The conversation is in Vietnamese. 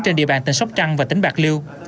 trên địa bàn tỉnh sóc trăng và tỉnh bạc liêu